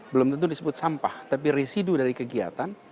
belum tentu disebut sampah tapi residu dari kegiatan